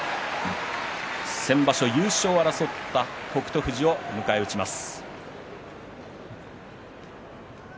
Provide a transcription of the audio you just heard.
先場所、優勝を争った北勝富士を迎え撃ちます。